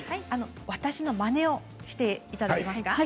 私のまねをしていただけますか？